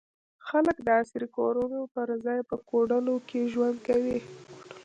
خلک د عصري کورونو پر ځای په کوډلو کې ژوند کوي.